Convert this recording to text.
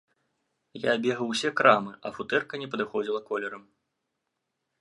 Я абегаў усе крамы, а футэрка не падыходзіла колерам.